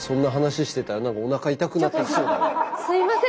すいません。